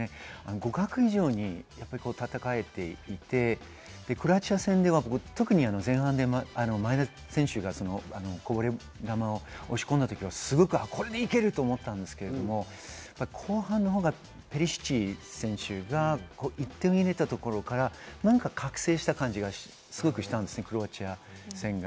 互角以上に戦えていて、クロアチア戦では特に前半、前田選手がこぼれ球を押し込んだときはすごく、これでいけると思ったんですけど、後半の方がペリシッチ選手が１点入れたところから何か覚醒した感じがすごくしたんです、クロアチアが。